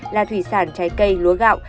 là thủy sản trái cây lúa gạo